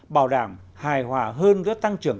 bảo đảm hài hòa hơn gỡ tăng trưởng